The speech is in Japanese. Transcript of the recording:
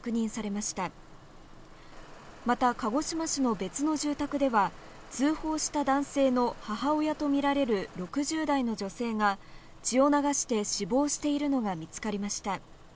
また鹿児島市の別の住宅では通報した男性の母親とみられる６０代の女性が血を流して死亡しているのが見つかりました。